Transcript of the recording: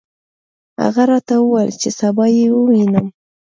هغه راته وویل چې سبا یې ووینم.